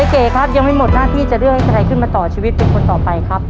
เก๋ครับยังไม่หมดหน้าที่จะเลือกให้ใครขึ้นมาต่อชีวิตเป็นคนต่อไปครับ